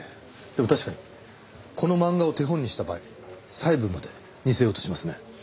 でも確かにこの漫画を手本にした場合細部まで似せようとしますね。